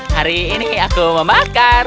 hari ini aku memakar